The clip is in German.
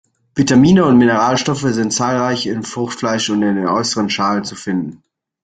Vitamine und Mineralstoffe sind zahlreich im Fruchtfleisch und in der äußeren Schale zu finden.